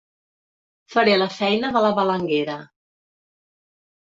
Faré la feina de la balenguera.